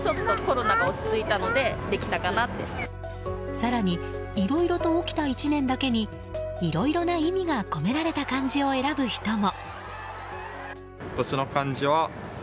更に、いろいろと起きた１年だけにいろいろな意味が込められた漢字を選ぶ人も。